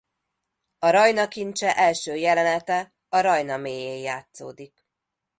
A Rajna kincse első jelenete a Rajna mélyén játszódik.